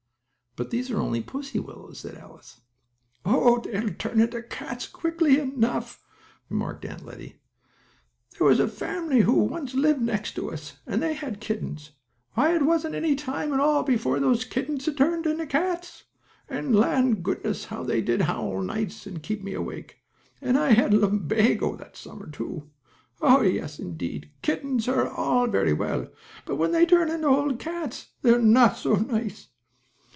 "But these are only pussy willows," said Alice. "Oh, they'll turn into cats quickly enough," remarked Aunt Lettie. "There was a family who once lived next to us, and they had kittens. Why it wasn't any time at all before those kittens had turned into cats, and land goodness, how they did howl nights and keep me awake! And I had lumbago that summer, too! Oh, yes, indeed, kittens are all very well, but when they turn into old cats they're not so nice."